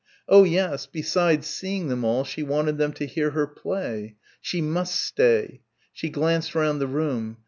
Oh yes, besides seeing them all she wanted them to hear her play.... She must stay ... she glanced round the room.